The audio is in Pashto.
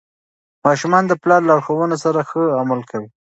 ماشومان د پلار لارښوونو سره ښه عمل کوي.